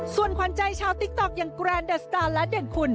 ส่วนขวัญใจชาวติ๊กต๊อกอย่างแกรนเดอร์สตาร์และเด่นคุณ